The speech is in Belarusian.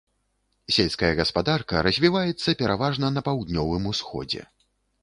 Сельская гаспадарка развіваецца пераважна на паўднёвым усходзе.